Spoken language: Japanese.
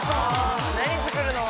何作るの？